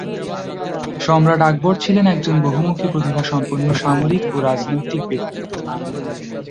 সম্রাট আকবর ছিলেন একজন বহুমুখী প্রতিভাসম্পন্ন সামরিক ও রাজনৈতিক ব্যক্তিত্ব।